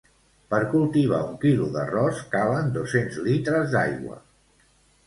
Per cultivar un quilo d'arròs calen dos-cents litres d'aigua